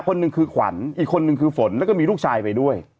คนหนึ่งคือขวัญอีกคนนึงคือฝนแล้วก็มีลูกชายไปด้วย